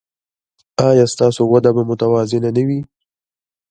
ایا ستاسو وده به متوازنه نه وي؟